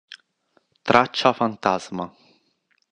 Traccia fantasma